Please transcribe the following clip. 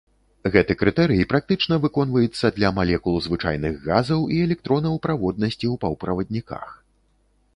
Гэты крытэрый практычна выконваецца для малекул звычайных газаў і электронаў праводнасці ў паўправадніках.